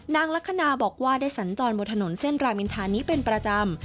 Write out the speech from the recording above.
นางลักษณะบอกว่าได้สัญจรบนถนนเส้นรามินทานี้เป็นประจำ